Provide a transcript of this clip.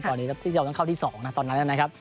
ตอนนี้ที่เราต้องเข้าที่๒นะตอนนั้นนะครับ